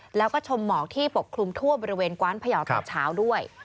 แล้วก็ชมหมอกที่ปกคลุมทั่วบริเวณกว้านพยาวตอนเช้าด้วย